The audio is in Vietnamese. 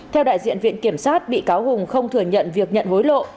theo đại diện viện kiểm sát bị cáo hùng không thừa nhận việc nhận hối lộ